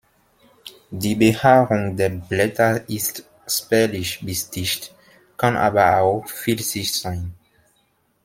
Die Behaarung der Blätter ist spärlich bis dicht, kann aber auch filzig sein.